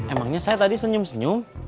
emangnya saya tadi senyum senyum